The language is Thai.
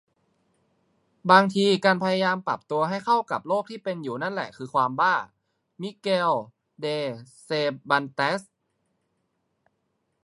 "บางทีการพยายามปรับตัวให้เข้ากับโลกที่เป็นอยู่นั่นแหละคือความบ้า " - มิเกล เด เซร์บันเตส